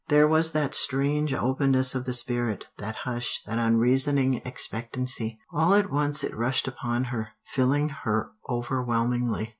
There was that strange openness of the spirit, that hush, that unreasoning expectancy. All at once it rushed upon her, filling her overwhelmingly.